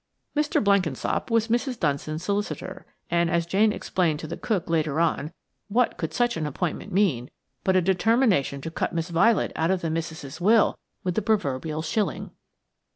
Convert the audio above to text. Mr. Blenkinsop was Mrs. Dunstan's solicitor, and as Jane explained to the cook later on, what could such an appointment mean but a determination to cut Miss Violet out of the missis's will with the proverbial shilling?